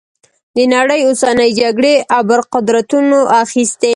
د نړۍ اوسنۍ جګړې ابرقدرتونو اخیستي.